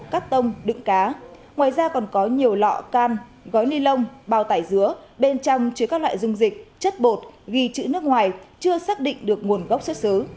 cắt tông đựng cá ngoài ra còn có nhiều lọ can gói ni lông bao tải dứa bên trong chứa các loại dung dịch chất bột ghi chữ nước ngoài chưa xác định được nguồn gốc xuất xứ